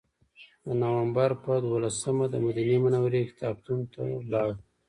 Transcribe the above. د نوامبر په دولسمه دمدینې منورې کتابتون ته لاړو.